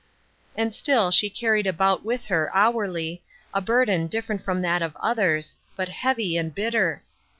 And still she carried about with her hourly, a burden different from that of others, but heavy and bitter.